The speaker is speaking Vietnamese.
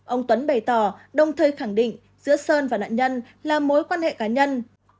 ông tuấn bày tỏ đồng thời khẳng định giữa sơn và nạn nhân là mối quan hệ cá nhân